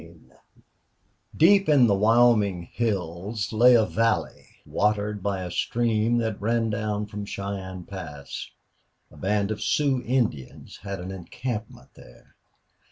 2 Deep in the Wyoming hills lay a valley watered by a stream that ran down from Cheyenne Pass; a band of Sioux Indians had an encampment there.